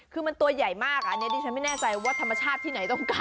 คือมันตัวใหญ่มากอันนี้ดิฉันไม่แน่ใจว่าธรรมชาติที่ไหนต้องการ